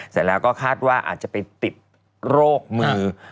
เสร็จแล้วก็คาดว่าอาจจะไปติดโรคมือ